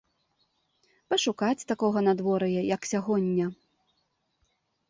Пашукаць такога надвор'я, як сягоння.